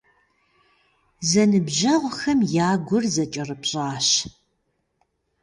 Зэныбжьэгъухэм я гур зэкӀэрыпщӀащ.